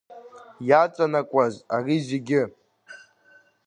Иаҵанакуаз ари зегьы?